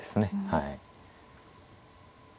はい。